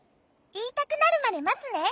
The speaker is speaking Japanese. いいたくなるまでまつね。